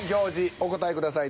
お答えください。